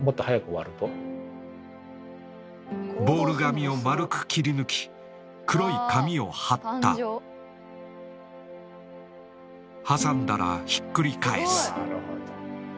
ボール紙を丸く切り抜き黒い紙を貼ったはさんだらひっくり返す。